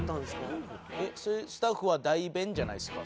スタッフは代弁じゃないですか